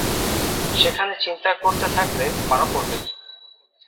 সেখানে চিন্তা করতে থাকলে, মারা পড়বে।